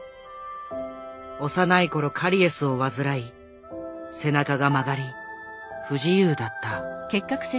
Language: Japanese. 幼い頃カリエスを患い背中が曲がり不自由だった。